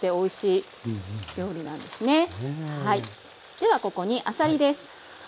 ではここにあさりです。